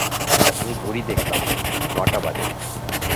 আমি ঘড়ি দেখলাম, নটা বাজে।